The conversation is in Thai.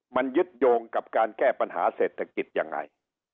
มันยึดโยงกับการแก้ปัญหาเศรษฐกิจยังไง